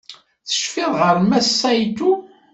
Tecfiḍ ɣef Mass Saito?